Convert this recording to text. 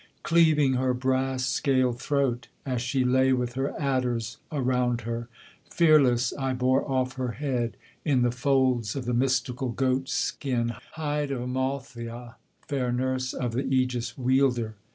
Cleaving her brass scaled throat, as she lay with her adders around her, Fearless I bore off her head, in the folds of the mystical goat skin Hide of Amaltheie, fair nurse of the AEgis wielder.